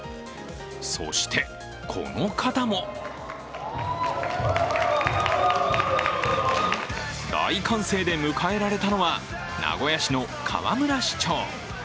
そして、この方も大歓声で迎えられたのは、名古屋市の河村市長。